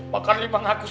bakal dipangaku satu